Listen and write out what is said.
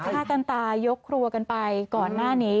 ฆ่ากันตายกครัวกันไปก่อนหน้านี้